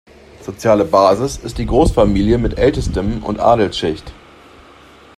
Soziale Basis ist die Großfamilie mit Ältestem und Adelsschicht.